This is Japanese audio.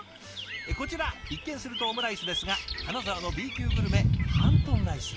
こちら一見するとオムライスですが金沢のＢ級グルメハントンライス。